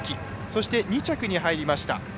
そして、２着に入りました